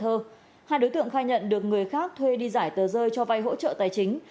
hai đối tượng khai nhận được người khác thuê đi giải tờ rơi cho vai hỗ trợ tài chính